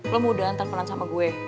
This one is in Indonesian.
lo mau udah antar peran sama gue